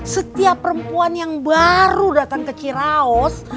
setiap perempuan yang baru datang ke ciraos